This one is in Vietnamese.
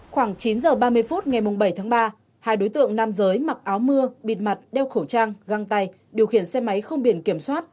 khoảng chín h ba mươi phút ngày bảy tháng ba hai đối tượng nam giới mặc áo mưa bịt mặt đeo khẩu trang găng tay điều khiển xe máy không biển kiểm soát